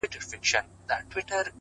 تکرار مهارت ته ژوند ورکوي.!